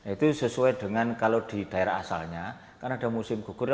itu sesuai dengan kalau di daerah asalnya kan ada musim gugur